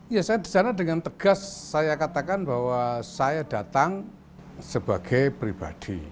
ya saya di sana dengan tegas saya katakan bahwa saya datang sebagai pribadi